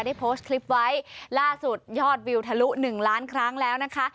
ได้โพสต์คลิปไว้ล่าสุดยอดวิวทะลุหนึ่งล้านครั้งแล้วนะคะ